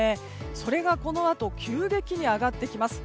それがこのあと急激に上がってきます。